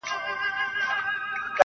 راسه چي الهام مي د زړه ور مات كـړ.